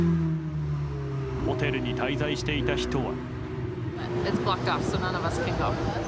ホテルに滞在していた人は。